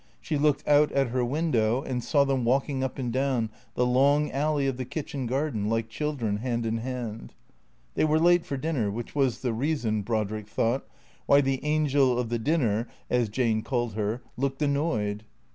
She looked out at her window and saw them walking up and down the long alley of the kitchen garden, like children, hand in hand. They were late for dinner, which was the reason, Brodrick thought, why the Angel of the Dinner (as Jane called her) looked annoyed.